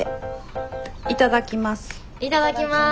いただきます。